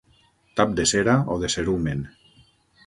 Tap de cera o de cerumen.